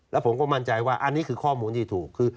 แล้วผมจังว่าอันนี้คือข้อโมงที่ถูก